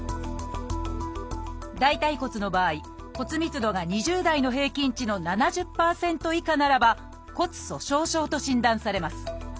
大腿骨の場合骨密度が２０代の平均値の７０％以下ならば「骨粗しょう症」と診断されます。